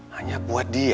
hanya buat dia